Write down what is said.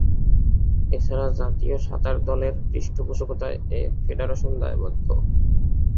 এছাড়া জাতীয় সাঁতার দলের পৃষ্ঠপোষকতায় এ ফেডারেশন দায়বদ্ধ।